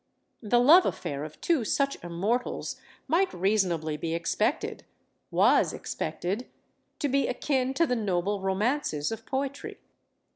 The love affair of two such immortals might reasonably be expected was expected to be akin to the noble romances of poetry.